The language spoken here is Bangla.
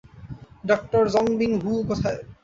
ডাঃ জং বিউং-হো কোথায়?